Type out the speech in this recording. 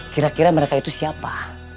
kira kira mereka itu siapa